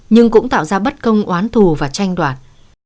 nhưng cũng tạo ra bất công oán thù và tranh đoạt